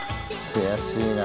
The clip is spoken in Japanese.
悔しいな。